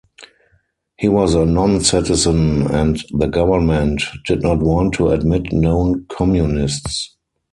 He was a non-citizen and the government did not want to admit known communists.